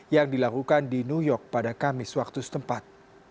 yang dilakukan di new york pada kamis waktu setempat